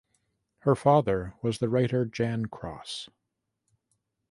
Her father was the writer Jaan Kross.